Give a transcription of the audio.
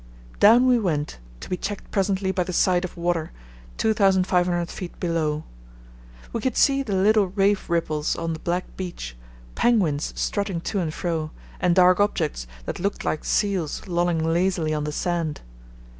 Down we went, to be checked presently by the sight of water 2500 ft. below. We could see the little wave ripples on the black beach, penguins strutting to and fro, and dark objects that looked like seals lolling lazily on the sand.